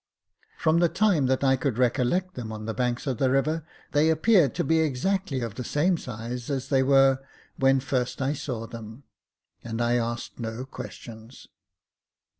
From the time that I could recollect them on the banks of the river, they appeared to be exactly of the same size as they were when first I saw them, and I asked no questions.